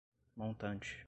montante